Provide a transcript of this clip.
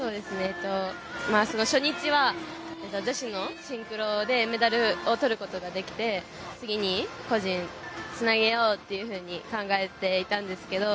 初日は女子のシンクロでメダルをとることができて次に、個人につなげようって考えていたんですけど。